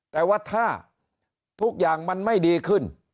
แต่ว่าถ้าทุกอย่างมันไม่ดีขึ้น